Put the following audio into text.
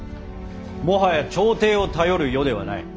もはや朝廷を頼る世ではない。